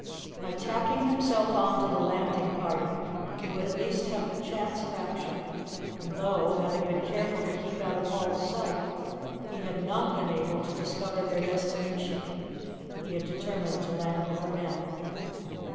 By tacking himself on to the landing party he would at least have the chance of action, and though, having been careful to keep out of Hall's sight, he had not been able to discover their destination, he had determined to land with the men.